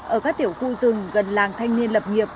ở các tiểu khu rừng gần làng thanh niên lập nghiệp